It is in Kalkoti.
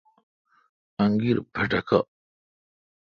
انگیر پھٹھکہ